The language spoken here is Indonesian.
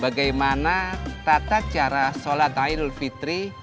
bagaimana tata cara sholat idul fitri